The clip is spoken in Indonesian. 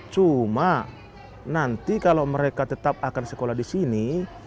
cuma nanti kalau mereka tetap akan sekolah di sini